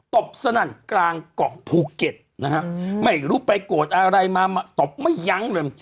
ตบสนั่นกลางเกาะภูเก็ตนะฮะไม่รู้ไปโกรธอะไรมาตบไม่ยั้งเลย